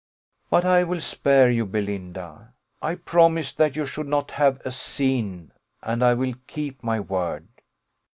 But I will spare you, Belinda; I promised that you should not have a scene, and I will keep my word.